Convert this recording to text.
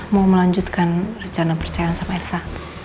mau melanjutkan perjalanan percayaan sama elsa